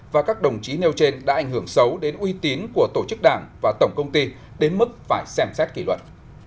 và các đồng chí nêu trên đã ảnh hưởng xấu đến uy tín của tổ chức đảng và tổng công ty đến mức phải xem xét kỷ luật